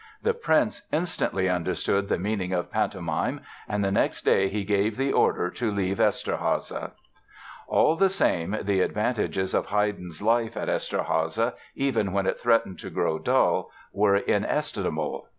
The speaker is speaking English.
The prince instantly understood the meaning of pantomime and the next day he gave the order to leave Eszterháza." All the same, the advantages of Haydn's life at Eszterháza, even when it threatened to grow dull, were inestimable.